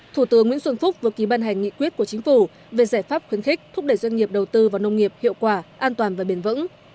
thủ tướng nguyễn xuân phúc vừa ký ban hành nghị quyết của chính phủ về giải pháp khuyến khích thúc đẩy doanh nghiệp đầu tư vào nông nghiệp hiệu quả an toàn và bền vững